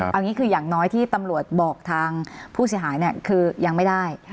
เอาอย่างนี้คือยังน้อยที่ตำรวจบอกทางผู้เสียหายเนี่ยคือยังไม่ได้